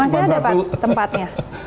masih ada pak tempatnya